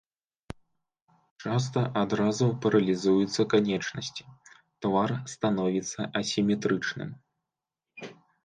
Часта адразу паралізуюцца канечнасці, твар становіцца асіметрычным.